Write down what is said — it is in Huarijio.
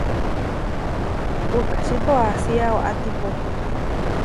Puʼkáči toasía waʼátipo.